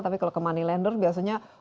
tapi kalau ke moneylender biasanya